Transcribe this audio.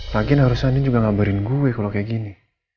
lagikan harusnya andien juga ngabarin gue kalau kayak gini